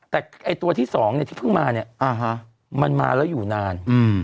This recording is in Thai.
แต่ตัวที่๒ที่เพิ่งมาเนี่ยมันมาแล้วอยู่นาน